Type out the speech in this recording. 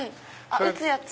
打つやつ。